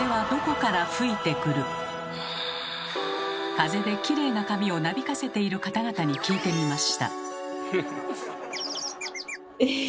風できれいな髪をなびかせている方々に聞いてみました。